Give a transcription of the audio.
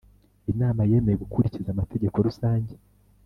Inama yemeye gukurikiza amategeko rusange